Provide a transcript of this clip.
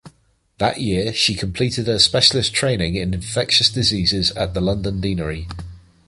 That year she completed her specialist training in infectious diseases at the London Deanery.